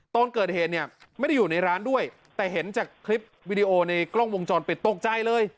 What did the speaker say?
ตอนเกิดเหตุเนี่ยไม่ได้อยู่ในร้านด้วยแต่เห็นจากคลิปวิดีโอในกล้องวงจรปิดตกใจเลย